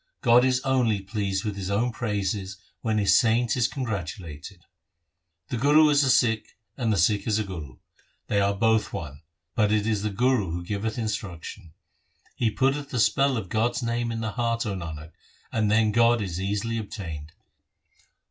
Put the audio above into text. God is only pleased with His own praises when His saint is congratulated. 1 The Guru is a Sikh, and the Sikh is a Guru ; they are both one, but it is the Guru who giveth instruction. He putteth the spell of God's name in the heart, 0 Nanak, and then God is easily obtained.